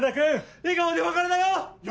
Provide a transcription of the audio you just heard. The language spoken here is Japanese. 笑顔でお別れだよ！